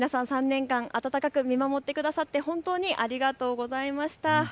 皆さん、３年間温かく見守ってくださって本当にありがとうございました。